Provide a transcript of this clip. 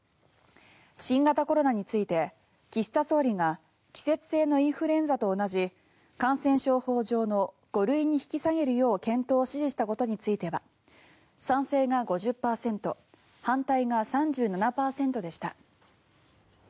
新型コロナについて岸田総理が季節性のインフルエンザと同じ感染症法上の５類に引き下げるよう検討を指示したことについては賛成が５０％反対が３７％でした。